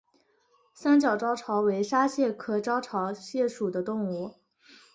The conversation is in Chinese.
三角招潮为沙蟹科招潮蟹属的动物。